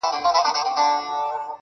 که هرڅو صاحب د علم او کمال یې,